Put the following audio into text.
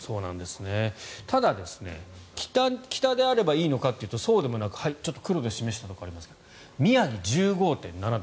ただ、北であればいいのかというとそうではなく黒で示したところがありますが宮城、１５．７度。